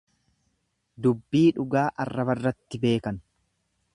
Dubbii dhugaa arrabarratti beekan.